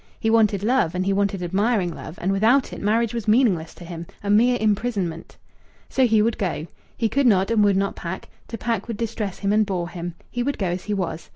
He wanted love, and he wanted admiring love, and without it marriage was meaningless to him, a mere imprisonment. So he would go. He could not and would not pack; to pack would distress him and bore him; he would go as he was.